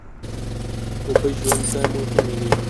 اوبه ژوند ته مهمې دي.